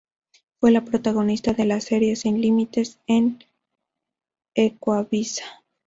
Fue la protagonista de la serie Sin límites, de Ecuavisa.